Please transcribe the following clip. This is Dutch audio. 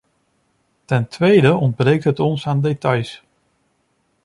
Ten tweede ontbreekt het ons aan details.